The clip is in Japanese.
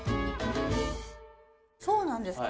そうなんですか？